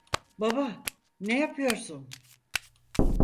Baba, ne yapıyorsun?